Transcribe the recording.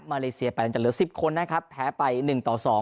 เลเซียไปนั้นจะเหลือสิบคนนะครับแพ้ไปหนึ่งต่อสอง